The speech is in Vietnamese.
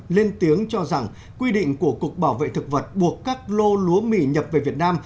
lên tiếng cho rằng quy định của cục bảo vệ thực vật buộc các lô lúa mì nhập về việt nam